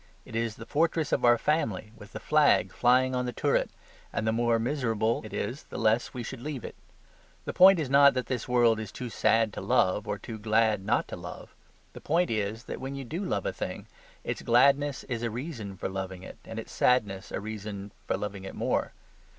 It is the fortress of our family, with the flag flying on the turret, and the more miserable it is the less we should leave it. The point is not that this world is too sad to love or too glad not to love; the point is that when you do love a thing, its gladness is a reason for loving it, and its sadness a reason for loving it more.